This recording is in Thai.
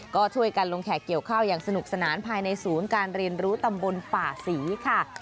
ก็ช่วยกันลงแขกเกี่ยวข้าวอย่างสนุกสนานภายในศูนย์การเรียนรู้ตำบลป่าศรีค่ะ